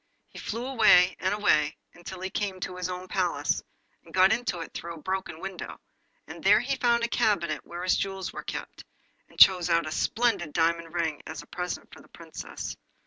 He flew away, and away, until he came to his own palace, and got into it through a broken window, and there he found the cabinet where his jewels were kept, and chose out a splendid diamond ring as a present for the Princess.